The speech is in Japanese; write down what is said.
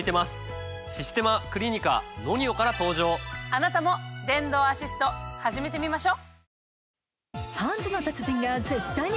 あなたも電動アシスト始めてみましょ！